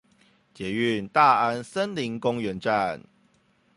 捷運大安森林公園站